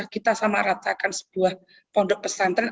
kita sama rata akan sebuah pondok pesantren